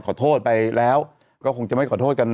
ขอโทษไปแล้วก็คงจะไม่ขอโทษกัน